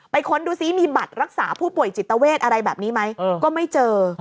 ค้นดูซิมีบัตรรักษาผู้ป่วยจิตเวทอะไรแบบนี้ไหมก็ไม่เจอ